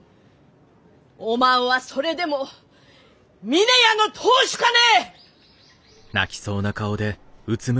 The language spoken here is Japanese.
おまんはそれでも峰屋の当主かね！？